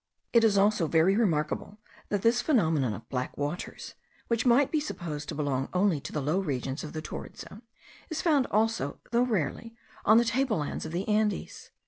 It is also very remarkable, that this phenomenon of black waters, which might be supposed to belong only to the low regions of the torrid zone, is found also, though rarely, on the table lands of the Andes.